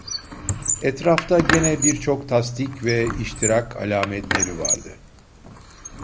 Etrafta gene birçok tasdik ve iştirak alametleri vardı.